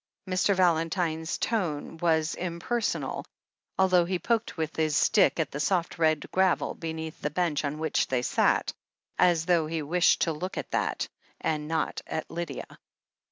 Mr. Valentine's tone was im , personal, although he poked with his stick at the soft red gravel beneath the bench on which they sat, as though he wished to look at that, and not at Lydia.